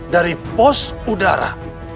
dari pos udara